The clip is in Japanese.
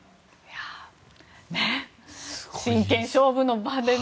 真剣勝負の場でね。